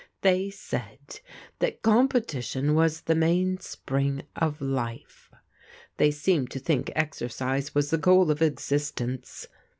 They said that competition was the mainspring of life; they seemed to think exercise was the goal of existence.